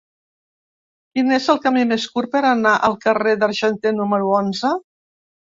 Quin és el camí més curt per anar al carrer de l'Argenter número onze?